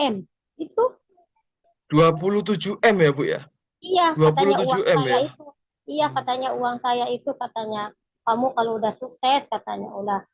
dua puluh tujuh m itu dua puluh tujuh m ya iya iya katanya uang saya itu katanya kamu kalau udah sukses katanya udah